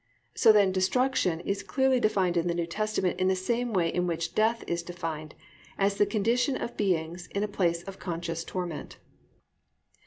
So then "destruction" is clearly defined in the New Testament in the same way in which "death" is defined, as the condition of beings in a place of conscious torment.